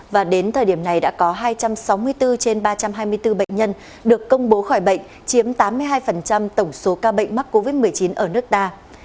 và đến thời điểm này đã có hai trăm sáu mươi bốn trên ba trăm hai mươi bốn bệnh nhân được công bố khỏi bệnh chiếm tám mươi hai tổng số ca bệnh mắc covid một mươi chín ở nước ta